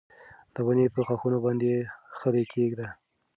د ونې په ښاخونو باندې خلی کېږده.